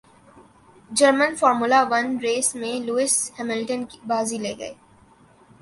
German Formula One race میں Lewis Hamilton بازی لے گئے